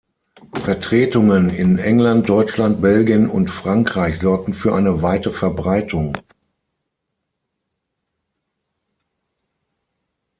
Vertretungen in England, Deutschland, Belgien und Frankreich sorgten für eine weite Verbreitung.